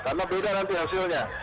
karena beda nanti hasilnya